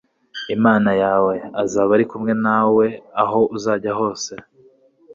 imana yawe, azaba ari kumwe nawe aho uzajya hose